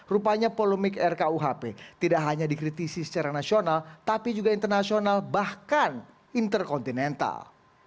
rupanya polemik rkuhp tidak hanya dikritisi secara nasional tapi juga internasional bahkan interkontinental